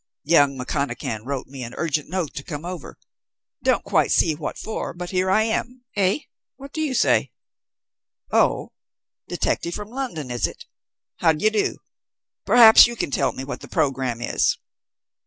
Young McConachan wrote me an urgent note to come over. Don't quite see what for, but here I am. Eh? What do you say? Oh, detective from London, is it? How d'ye do? Perhaps you can tell me what the programme is?"